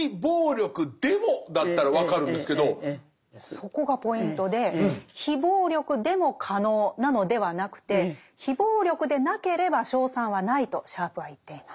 そこがポイントで非暴力でも可能なのではなくて非暴力でなければ勝算はないとシャープは言っています。